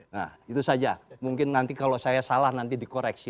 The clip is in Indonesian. nah itu saja mungkin nanti kalau saya salah nanti dikoreksi